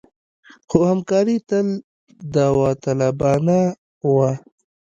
خو همکاري تل داوطلبانه نه وه.